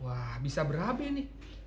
wah bisa berapa ini